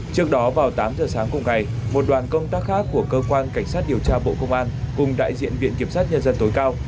trước đó vào tám giờ sáng cùng ngày một đoàn công tác khác của cơ quan cảnh sát điều tra bộ công an cùng đại diện viện kiểm sát nhân dân tối cao